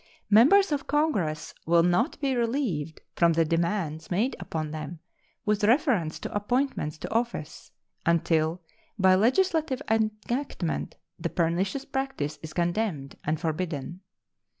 Members of Congress will not be relieved from the demands made upon them with reference to appointments to office until by legislative enactment the pernicious practice is condemned and forbidden.